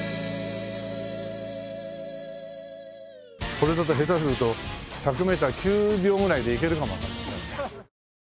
これだって下手すると１００メーター９秒ぐらいでいけるかもわかんないね。